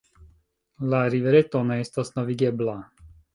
La rivereto ne estas navigebla.